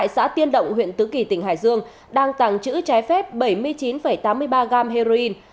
đài dương đang tàng trữ trái phép bảy mươi chín tám mươi ba gram heroin